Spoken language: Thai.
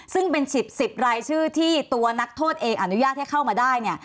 ซึ่งเป็น๑๐๑๐รายชื่อที่ตัวนักโทษเองอนุญาตให้เข้ามาได้